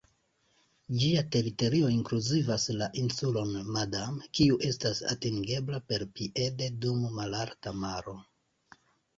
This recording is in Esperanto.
Ĝia teritorio inkluzivas la insulon Madame, kiu estas atingebla perpiede dum malalta maro.